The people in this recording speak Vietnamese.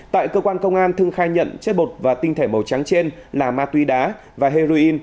tại cơ quan công an thương khai nhận chất bột và tinh thể màu trắng trên là ma túy đá và heroin